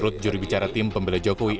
tim pembela jokowi